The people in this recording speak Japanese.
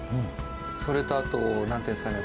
それとあと何ていうんですかね